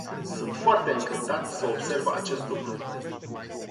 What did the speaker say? Sunt foarte încântat să observ acest lucru.